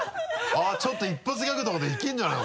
あぁちょっと一発ギャグとかでいけるんじゃないの？